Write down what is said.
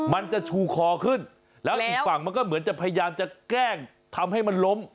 มันจะชูคอขึ้นแล้วอีกฝั่งมันก็เหมือนจะพยายามจะแกล้งทำให้มันล้ม